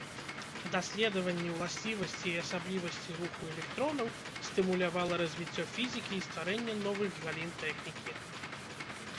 Даследаванні ўласцівасцей і асаблівасцей руху электронаў стымулявала развіццё фізікі і стварэнне новых галін тэхнікі.